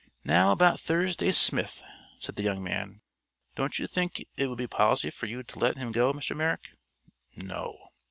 "Now about Thursday Smith," said the young man. "Don't you think it would be policy for you to let him go, Mr. Merrick?" "No."